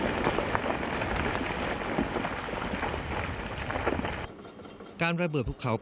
ถนนช่วงตากแม่ศรถือเป็นเส้นทางอันตราย